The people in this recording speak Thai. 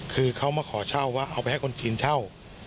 คือเขามาขอเช่าว่าเอาไปให้คนจีนเช่า